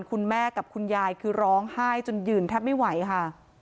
คุณแม่กับคุณยายคือร้องไห้จนยืนแทบไม่ไหวค่ะ